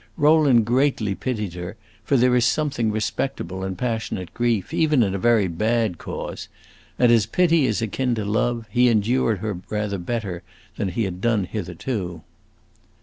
Rowland greatly pitied her, for there is something respectable in passionate grief, even in a very bad cause; and as pity is akin to love, he endured her rather better than he had done hitherto.